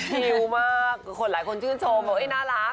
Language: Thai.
เพราะมีคนหลายคนชื่นชมโอเคน่ารัก